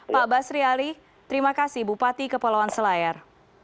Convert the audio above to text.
pak basri ali terima kasih bupati kepulauan selayar